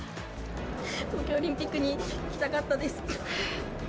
東京オリンピックに行きたかったです。